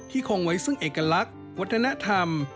คงไว้ซึ่งเอกลักษณ์วัฒนธรรม